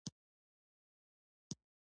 د رسنیو له لارې د نوي فکرونو خپرېدل اسانه شوي.